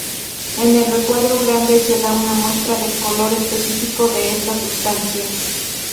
En el recuadro grande se da una muestra del color específico de esta sustancia.